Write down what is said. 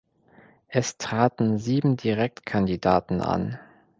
Es traten sieben Direktkandidaten an.